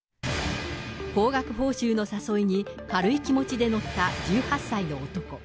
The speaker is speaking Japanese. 高額報酬の誘いに、軽い気持ちで乗った１８歳の男。